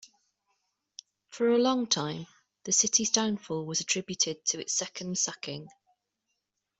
For a long time, the city's downfall was attributed to its second sacking.